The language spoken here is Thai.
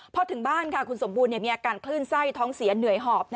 พอถึงบ้านค่ะคุณสมบูรณ์มีอาการคลื่นไส้ท้องเสียเหนื่อยหอบ